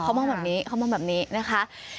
เขามองแบบนี้เขามองแบบนี้นะคะ